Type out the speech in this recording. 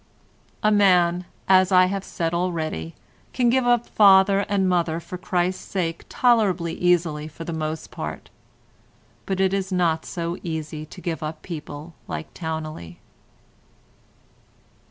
A man, as I have said already, can give up father and mother for Christ's sake tolerably easily for the most part, but it is not so easy to give up people like Towneley.